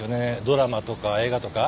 ドラマとか映画とか。